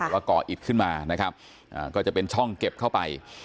ก็ก่ออิดขึ้นมานะครับก็จะเป็นช่องเก็บเข้าไป